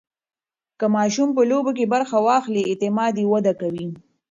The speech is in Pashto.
که ماشوم په لوبو کې برخه واخلي، اعتماد یې وده کوي.